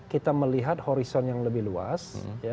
kita melihat horizon yang lebih luas